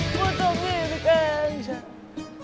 kau tuh milih kek aisyah